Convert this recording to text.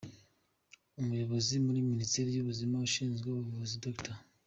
Umuyobozi muri Minisiteri y’ubuzima ushinzwe ubuvuzi, Dr.